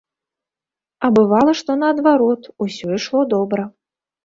А бывала, што, наадварот, усё ішло добра.